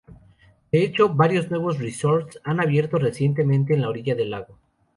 De hecho, varios nuevos resorts han abierto recientemente en la orilla del lago.